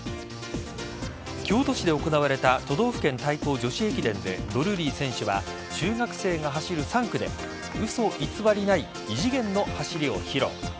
京都市で行われた都道府県対抗女子駅伝でドルーリー選手は中学生が走る３区で嘘偽りない異次元の走りを披露。